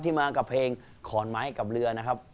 มากับเพลงขอนไม้กับเรือนะครับ